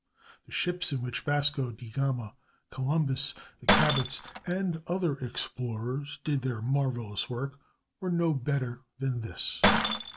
The ships in which Vasco da Gama, Columbus, the Cabots, and other explorers did their marvelous work were no better than this.